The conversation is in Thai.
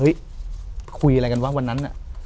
เราก็ไปคุยอะไรกันวะวันนั้นเนอะ